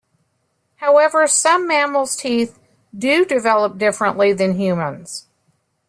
However, some mammals' teeth do develop differently than humans'.